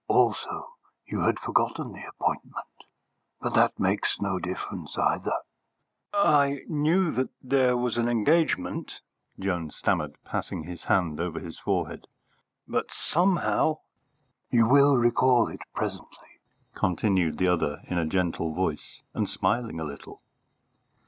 Also, you had forgotten the appointment, but that makes no difference either." "I knew that there was an engagement," Jones stammered, passing his hand over his forehead; "but somehow " "You will recall it presently," continued the other in a gentle voice, and smiling a little.